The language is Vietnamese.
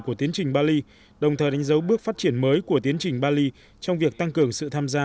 của tiến trình bali đồng thời đánh dấu bước phát triển mới của tiến trình bali trong việc tăng cường sự tham gia